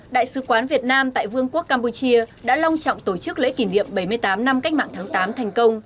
đại sứ quán việt nam tại vương quốc campuchia đã long trọng tổ chức lễ kỷ niệm bảy mươi tám năm cách mạng tháng tám thành công